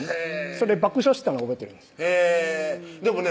それ爆笑したのを覚えてるんですでもね